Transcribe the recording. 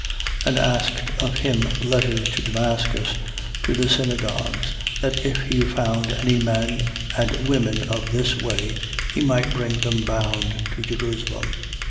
And asked of him letters to Damascus, to the synagogues: that if he found any men and women of this way, he might bring them bound to Jerusalem.